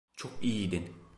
Çok iyiydin.